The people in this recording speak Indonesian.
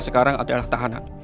sekarang adalah tahanan